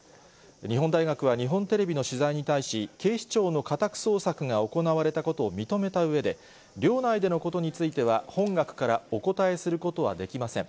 日本大学は日本テレビの取材に対し、警視庁の家宅捜索が行われたことを認めたうえで、寮内でのことについては、本学からお答えすることはできません。